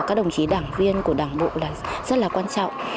các đồng chí đảng viên của đảng bộ là rất là quan trọng